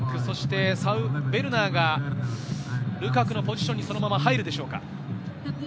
そしてベルナーがルカクのポジションにそのまま入るでしょうか。